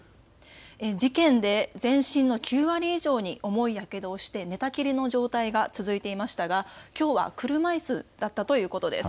事件で全身の９割以上に重いやけどをして寝たきりの状態が続いていましたが、きょうは車いすだったということです。